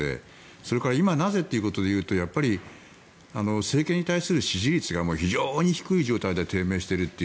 それで今なぜということで言うとやっぱり政権に対する支持率が非常に低い状態で低迷しているという。